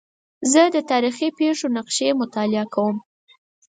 زه د تاریخي پېښو نقشې مطالعه کوم.